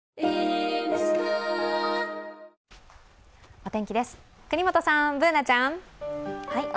お天気です、國本さん、Ｂｏｏｎａちゃん。